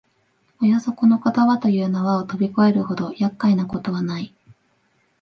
およそこの言葉という縄をとび越えるほど厄介なことはない